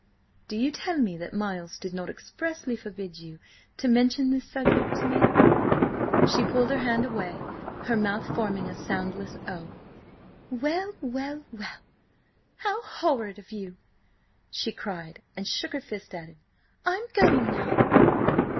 "Do you tell me that Miles did not expressly forbid you to mention this subject to me?" She pulled her hand away, her mouth forming a soundless "Oh!" "Well–well–well, how horrid of you!" she cried, and shook her fist at him. "I'm going now!"